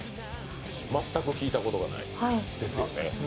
全く聞いたことがない？ですよね。